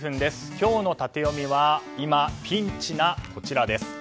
今日のタテヨミは今、ピンチなこちらです。